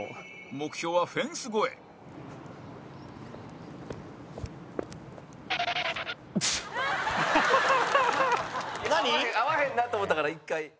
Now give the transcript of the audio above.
目標はフェンス越え合わへんなと思ったから、１回。